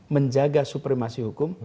menjaga supremasi hukum